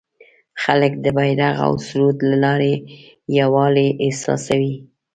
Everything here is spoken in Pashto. خلک د بیرغ او سرود له لارې یووالی احساسوي.